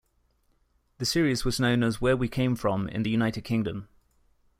The series was known as "Where We Came From" in the United Kingdom.